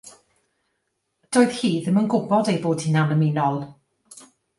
Doedd hi ddim yn gwybod ei bod hi'n annymunol.